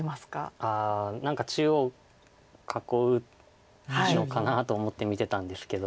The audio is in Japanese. ああ何か中央囲うのかなと思って見てたんですけど。